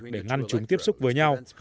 để ngăn chúng tiếp xúc với nhau